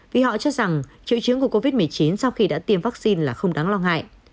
vì họ cho rằng triệu chứng của covid một mươi chín sau khi đã tiêm vaccine là không đáng lo ngại